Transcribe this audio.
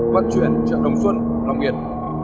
vận chuyển chợ long xuân long biên